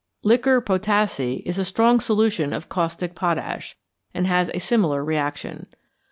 =Liquor Potassæ= is a strong solution of caustic potash, and has a similar reaction.